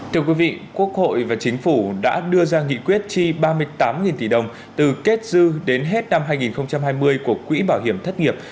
thưa quý vị quốc hội và chính phủ đã đưa ra nghị quyết chi ba mươi tám tỷ đồng từ kết dư đến hết năm hai nghìn hai mươi của quỹ bảo hiểm thất nghiệp